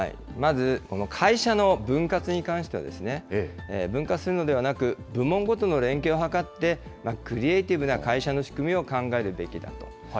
まず、この会社の分割に関しては、分割するのではなく、部門ごとの連携を図って、クリエイティブな会社の仕組みを考えるべきだと。